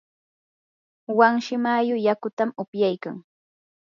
wanshi mayu yakutam upyaykan.